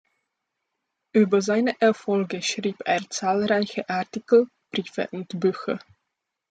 Über seine Erfolge schrieb er zahlreiche Artikel, Briefe und Bücher.